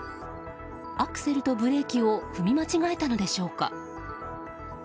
アクセルとブレーキを踏み間違えたのでしょうか。